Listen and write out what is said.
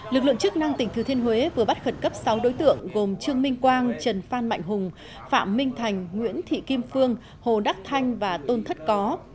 lực lượng chức năng tỉnh thừa thiên huế vừa bắt khẩn cấp sáu đối tượng gồm trương minh quang trần phan mạnh hùng phạm minh thành nguyễn thị kim phương hồ đắc thanh và tôn thất có